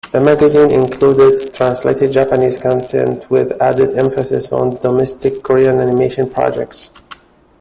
The magazine included translated Japanese content, with added emphasis on domestic Korean animation projects.